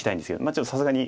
ちょっとさすがに。